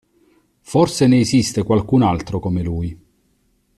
Forse ne esiste qualcun altro come lui.